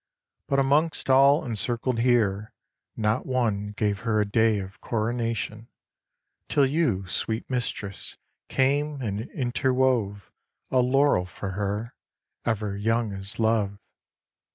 But amongst all encircled here, not one Gave her a day of coronation; Till you, sweet mistress, came and interwove A laurel for her, ever young as Love.